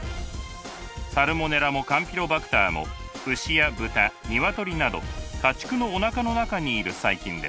サルモネラもカンピロバクターも牛や豚鶏など家畜のおなかの中にいる細菌です。